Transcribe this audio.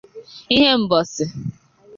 Ihembosi'